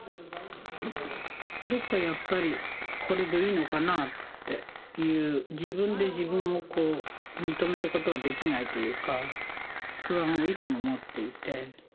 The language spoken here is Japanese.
どっかやっぱりこれでいいのかなあっていう自分で自分をこう認めることができないというか不安をいつも持っていて。